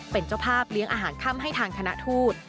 เป็นเจ้าภาพเลี้ยงอาหารค่ำให้ทางคณะทูต